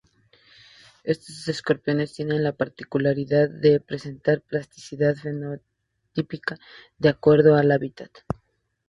Estos escorpiones tienen la particularidad de presentar plasticidad fenotípica de acuerdo al hábitat.